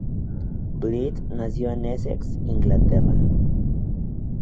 Blyth nació en Essex, Inglaterra.